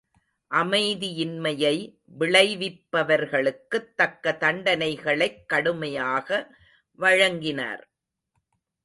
அமைதியின்மையை விளைவிப்பவர்களுக்குத் தக்க தண்டனைகளைக் கடுமையாக வழங்கினார்.